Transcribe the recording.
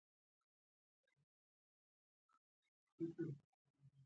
حميد يوې خواته غلی ولاړ و.